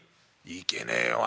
「いけねえよ兄ぃ。